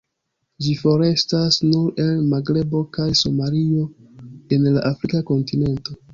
Ĝi forestas nur el Magrebo kaj Somalio en la afrika kontinento.